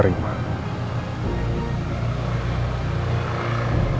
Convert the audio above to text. tapi aku masih gak bisa terima